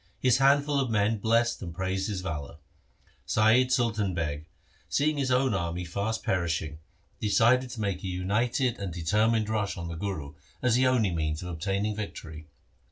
His handful of men blessed and praised his valour. Saiyid Sultan Beg, seeing his own army fast perishing, decided to make a united and THE SIKH RELIGION determined rush on the Guru, as the only means of obtaining victory.